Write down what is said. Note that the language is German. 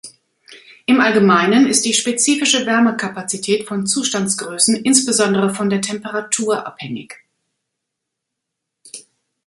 Im Allgemeinen ist die spezifische Wärmekapazität von Zustandsgrößen insbesondere von der Temperatur abhängig.